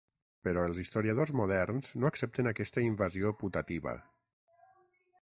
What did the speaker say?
Però els historiadors moderns no accepten aquesta invasió putativa.